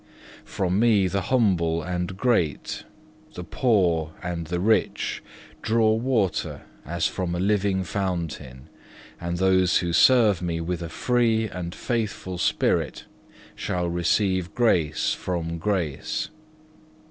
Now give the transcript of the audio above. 2. "From Me the humble and great, the poor and the rich, draw water as from a living fountain, and those who serve Me with a free and faithful spirit shall receive grace for grace.